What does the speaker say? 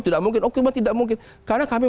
tidak mungkin oke tidak mungkin karena kami